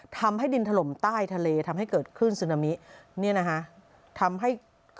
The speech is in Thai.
ทำให้ดินถล่มใต้ทะเลทำให้เกิดขึ้นซึนามิ